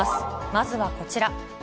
まずはこちら。